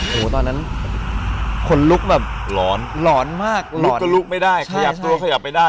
โหตอนนั้นขนลุกแบบหลอนหลอนมากลุกก็ลุกไม่ได้ขยับตัวขยับไม่ได้